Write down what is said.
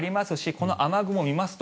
この雨雲を見ますと